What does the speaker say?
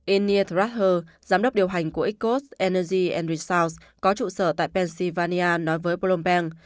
enid ruther giám đốc điều hành của x coast energy resources có trụ sở tại pennsylvania nói với bloomberg